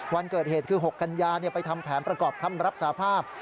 วันเกิดเหตุคือ๖กัญญาไปทำแผนประกอบคำรับสาภาพ